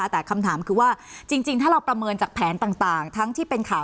แต่คำถามคือว่าจริงถ้าเราประเมินจากแผนต่างทั้งที่เป็นข่าว